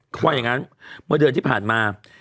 เพราะฉะนั้นเมื่อเดินที่ผ่านมา